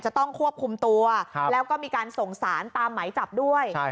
จะต้องควบคุมตัวแล้วก็มีการส่งสารตามหมายจับด้วย